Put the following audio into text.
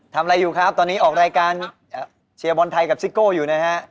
ทำอะไรอยู่ครับตอนนี้ออกรายการเชียร์บอลไทยกับซิโก้อยู่นะฮะ